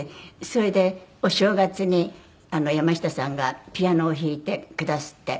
それでお正月に山下さんがピアノを弾いてくだすって。